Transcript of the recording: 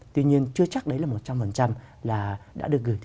tuy nhiên chưa chắc đấy là một trăm linh là đã được gửi